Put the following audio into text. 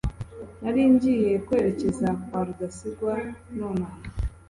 Nari ngiye kwerekeza kwa rudasingwa nonaha.